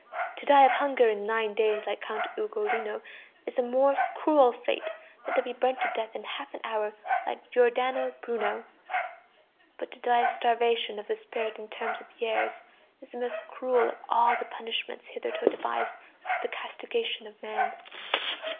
To die of hunger in nine days like Count Ugolino is a more cruel fate than to be burnt to death in half an hour like Giordano Bruno; but to die of starvation of the spirit in a term of years is the most cruel of all the punishments hitherto devised for the castigation of man.